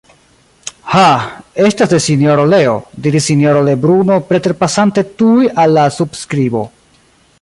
Ha! estas de Sinjoro Leo, diris Sinjoro Lebruno preterpasante tuj al la subskribo.